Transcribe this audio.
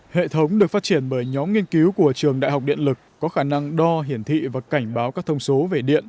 hệ thống được phát triển bởi nhóm nghiên cứu của trường đại học điện lực có khả năng đo hiển thị và cảnh báo các thông số về điện